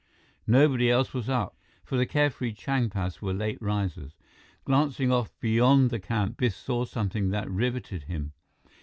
Nobody else was up, for the carefree Changpas were late risers. Glancing off beyond the camp, Biff saw something that riveted him.